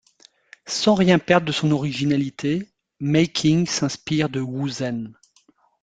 Sans rien perdre de son originalité, Mei Qing s'inspire de Wu Zhen.